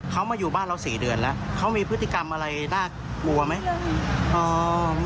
เขามาอยู่บ้านเรา๔เดือนแล้วเขามีพฤติกรรมอะไรน่ากลัวไหม